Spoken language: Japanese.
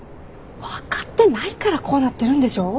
分かってないからこうなってるんでしょ！